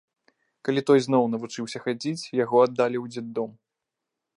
Калі той зноў навучыўся хадзіць, яго аддалі ў дзетдом.